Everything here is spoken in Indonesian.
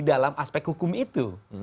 dalam aspek hukum itu